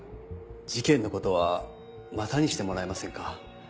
事件のことはまたにしてもらえませんか？